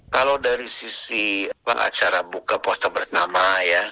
kalau dari sisi acara buka puasa bersama ya